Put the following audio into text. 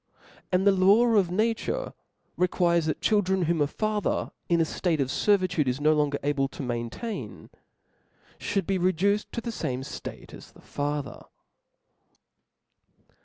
And the law of nature requires, that children, whom a father in the ftate 6f fervitude is no longer able to maintain, Ihould be reduced to the fame ftate as* the father.